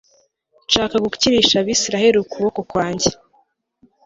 nshaka gukirisha abisirayeli ukuboko kwanjye